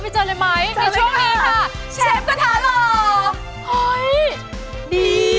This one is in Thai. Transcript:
เชฟกระทะหล่อ